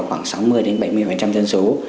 khoảng sáu mươi bảy mươi dân số